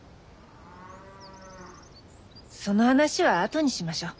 その話はあとにしましょう。